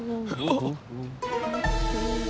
あっ！